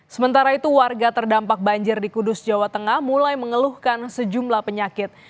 sementara itu warga terdampak banjir di kudus jawa tengah mulai mengeluhkan sejumlah penyakit